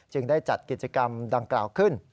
ได้จัดกิจกรรมดังกล่าวขึ้น